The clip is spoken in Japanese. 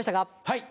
はい。